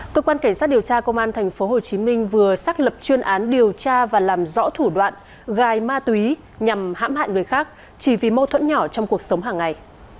cơ quan cảnh sát điều tra công an tp hcm vừa xác lập chuyên án điều tra và làm rõ thủ đoạn gài ma túy nhằm hãm hại người khác chỉ vì mâu thuẫn nhỏ trong cuộc sống hàng ngày